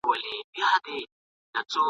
زه پوهېدم تاته مي نه ویله ..